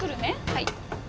はい。